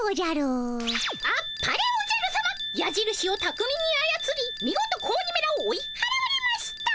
あっぱれおじゃるさま。やじるしをたくみにあやつりみごと子鬼めらを追いはらわれました。